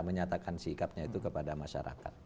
menyatakan sikapnya itu kepada masyarakat